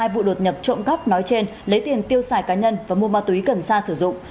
hai vụ đột nhập trộm cắp nói trên lấy tiền tiêu xài cá nhân và mua ma túy cần sa sử dụng